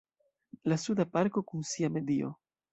La Suda parko kun sia medio.